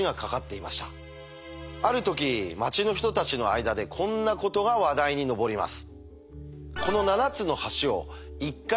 ある時町の人たちの間でこんなことが話題に上ります。